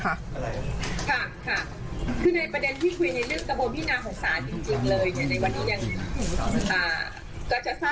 ค่ะค่ะคือในประเด็นที่คุยในเรื่องกระบวนพินาศของศาลจริงเลย